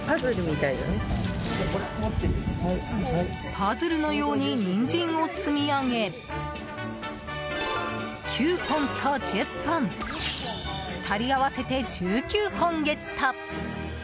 パズルのようにニンジンを積み上げ９本と１０本２人合わせて１９本ゲット！